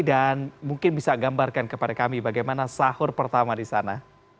dan mungkin bisa gambarkan kepada kami bagaimana sahur pertama di sana